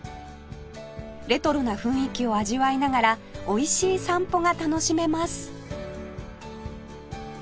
レトロな雰囲気を味わいながらおいしい散歩が楽しめます